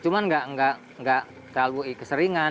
cuma nggak nggak nggak terlalu keseringan